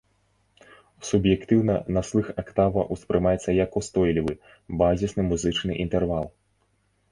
Суб'ектыўна на слых актава ўспрымаецца як ўстойлівы, базісны музычны інтэрвал.